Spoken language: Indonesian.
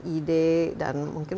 ide dan mungkin